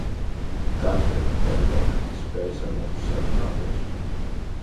Dakter, vai Ronete spēs ar mums sarunāties?